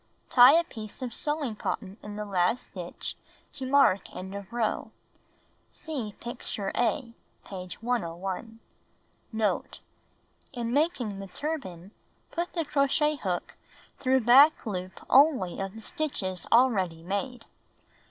Tie a piece of sewing cotton in the last stitch to mark end of row. (See picture A, page 101.) Note. — In making the turban, put the crochet hook through back loop only of the stitches already made.